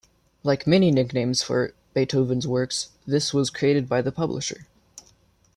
Like many nicknames for Beethoven's works, this was created by the publisher.